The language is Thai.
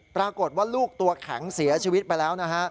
ปรากฏว่าลูกตัวแข็งเสียชีวิตไปแล้วนะฮะ